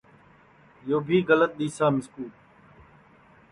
یو بھی گلت دِؔسا مِسکُو